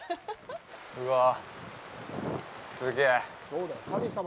うわ、すげえ。